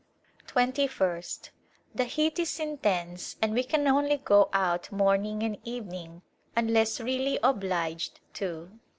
Twenty 'fir St. The heat is intense and we can only go out morn ing and evening unless really obliged to.